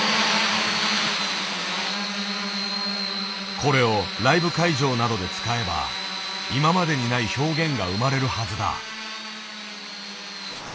これをライブ会場などで使えば今までにない表現が生まれるはずだ。